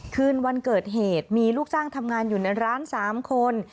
คืนวันเกิดเหตุมีลูกจ้างทำงานอยู่ในร้าน๓คน